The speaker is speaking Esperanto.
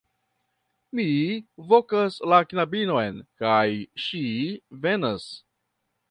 Mi vokas la knabinon, kaj ŝi venas.